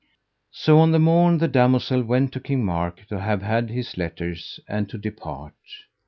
So on the morn the damosel went to King Mark to have had his letters and to depart.